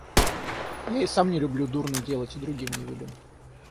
Я и сам не люблю дурно делать и другим не велю.